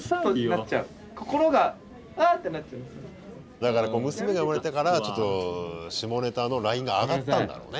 だから娘が生まれたからちょっと下ネタのラインが上がったんだろうね。